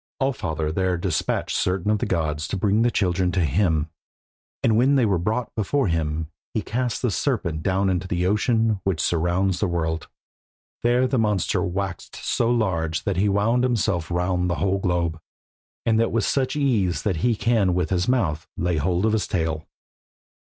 All father therefore despatched certain of the gods to bring the children to him, and when they were brought before him he cast the serpent down into the ocean which surrounds the world. There the monster waxed so large that he wound himself round the whole globe, and that with such ease that he can with his mouth lay hold of his tail.